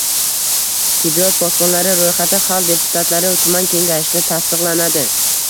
Tibbiyot posbonlari” roʻyxati Xalq deputatlari tuman Kengashida tasdiqlanadi.